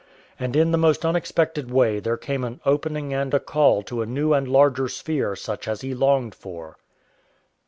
And in the most unexpected way there came an opening and a call to a new and larger sphere such as he longed for.